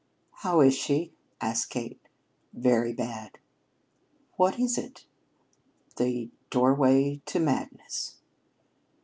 "How is she?" asked Kate. "Very bad." "What is it?" "The doorway to madness."